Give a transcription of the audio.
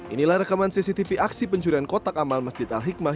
inilah rekaman cctv aksi pencurian kotak amal masjid al hikmah